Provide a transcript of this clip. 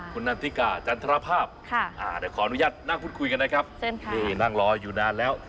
คุณนันทิกาจันทรภาพเดี๋ยวขออนุญาตนั่งพูดคุยกันนะครับนี่นั่งรออยู่นานแล้ว